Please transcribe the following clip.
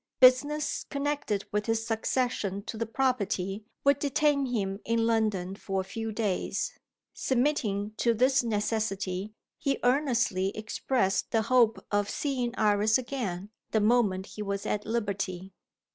Business, connected with his succession to the property, would detain him in London for a few days. Submitting to this necessity, he earnestly expressed the hope of seeing Iris again, the moment he was at liberty.